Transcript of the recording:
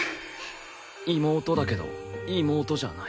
妹だけど妹じゃない